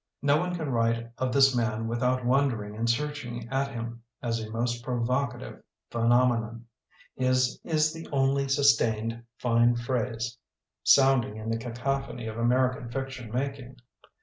No one can write of this man with out wondering and searching at him as a most provocative phenomenon. His is the only sustain^ fine phrase 7 DREISER— AFTER TWENTY YEARS 87 floonding in the cacoi^ony of Ameri can fiction making.